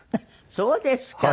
そうですか。